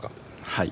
はい。